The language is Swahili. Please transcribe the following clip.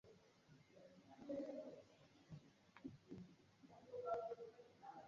kumwapisha Waziri Mkuu mapema mwezi huu ikiwa ni changamoto